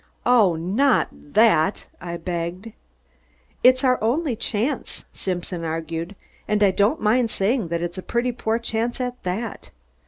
"Oh, not that!" I begged. "It's our only chance," Simpson argued, "and I don't mind saying that it's a pretty poor chance at that.